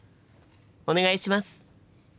お願いします！